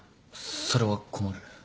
それは困る。